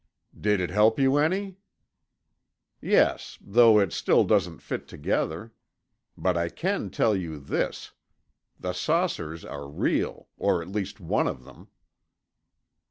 "Did it help you any?" "Yes, though it still doesn't fit together. But I can tell you this: The saucers are real, or at least one of them."